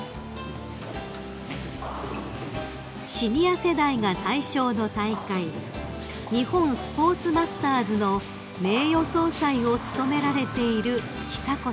［シニア世代が対象の大会日本スポーツマスターズの名誉総裁を務められている久子さま］